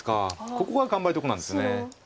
ここが頑張りどこなんですね。